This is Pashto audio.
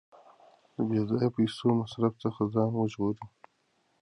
له بې ځایه پیسو مصرف څخه ځان وژغورئ.